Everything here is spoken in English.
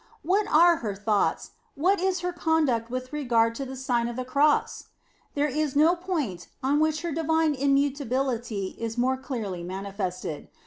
What are her thoughts, what is her con duct with regard to the Sign of the Cross? There is no point on which her divine im mutability is more clearly manifested.